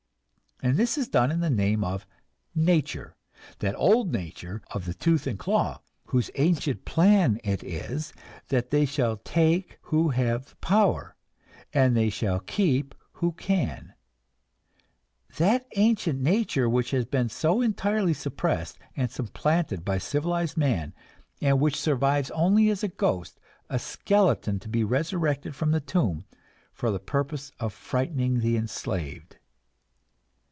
And this is done in the name of "nature" that old nature of the "tooth and claw," whose ancient plan it is "that they shall take who have the power, and they shall keep who can"; that ancient nature which has been so entirely suppressed and supplanted by civilized man, and which survives only as a ghost, a skeleton to be resurrected from the tomb, for the purpose of frightening the enslaved.